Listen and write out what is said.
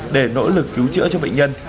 để nỗ lực cứu chữa cho bệnh nhân